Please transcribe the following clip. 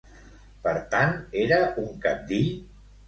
Per tant, era un cabdill?